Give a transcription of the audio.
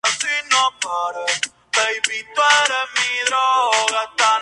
Calendario de eventos se almacena en línea y puede verse desde cualquier ubicación.